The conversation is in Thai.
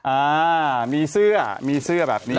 อ่ามีเสื้อมีเสื้อแบบนี้